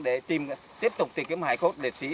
để tìm tiếp tục tìm hải cốt lễ sĩ